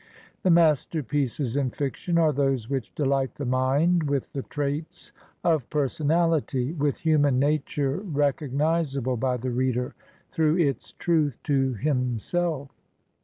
The masterpieces in fiction are those which delight the mind with the traits of personality, with htmian nature rec ognizable by the reader through its truth to himself.